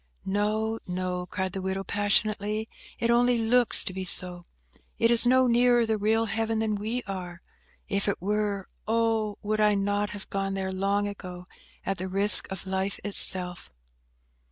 "No, no," cried the widow, passionately; "it only looks to be so. It is no nearer the real Heaven than we are. If it were, oh! would I not have gone there long ago, at the risk of life itself!"